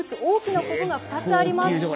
大きなコブが２つあります。